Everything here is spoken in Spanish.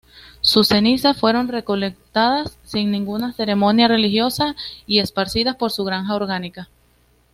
Sus cenizas fueron recolectadas sin ninguna ceremonia religiosa y esparcidas por su granja orgánica.